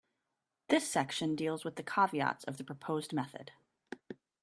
This section deals with the caveats of the proposed method.